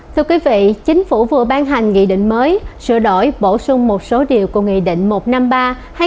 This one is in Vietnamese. thưa quý vị chính phủ vừa ban hành nghị định mới sửa đổi bổ sung một số điều của nghị định một trăm năm mươi ba hai nghìn một mươi năm